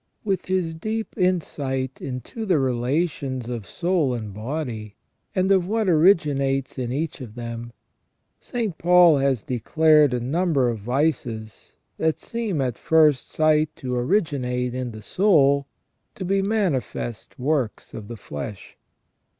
With his deep insight into the relations of soul and body, and of what originates in each of them, St. Paul has declared a number 74 THE SECONDARY IMAGE OF GOD IN MAN. of vices, that seem at first sight to originate in the soul, to be manifest works of the flesh.